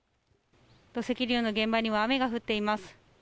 土石流の現場には雨が降っています。